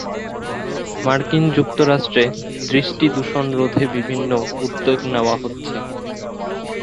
মার্কিন যুক্তরাষ্ট্রে, দৃষ্টি দূষণ রোধে বিভিন্ন উদ্যোগ নেওয়া হচ্ছে।